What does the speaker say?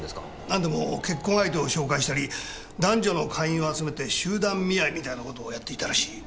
何でも結婚相手を紹介したり男女の会員を集めて集団見合いみたいなことをやっていたらしい。